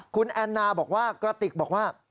คุณแอนนาบอกว่ากระติกบอกว่า